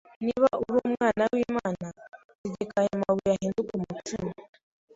Niba uri Umwana w’Imana, tegeka aya mabuye ahinduke umutsima